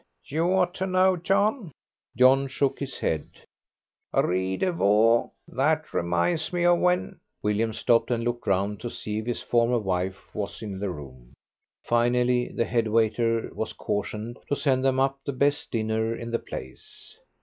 You ought to know, John." John shook his head. "Ris de veau! That reminds me of when " William stopped and looked round to see if his former wife was in the room. Finally, the head waiter was cautioned to send them up the best dinner in the place.